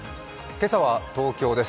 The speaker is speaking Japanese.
今朝は東京です。